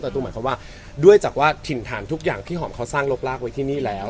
ตูหมายความว่าด้วยจากว่าถิ่นฐานทุกอย่างที่หอมเขาสร้างลบลากไว้ที่นี่แล้ว